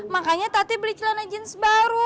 makanya tati beli celana jeans baru